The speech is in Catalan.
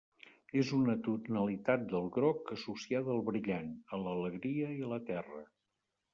És una tonalitat del groc associada al brillant, a l'alegria i a la terra.